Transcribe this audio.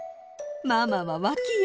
ママはわきよ。